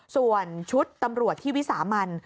ส่วนชุดตำรวจที่วิสามัน